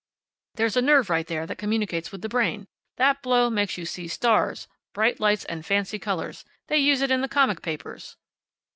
There's a nerve right here that communicates with the brain. That blow makes you see stars, bright lights, and fancy colors. They use it in the comic papers."